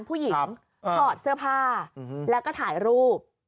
ผู้หญิงถอดเสื้อผ้าแล้วก็ถ่ายรูป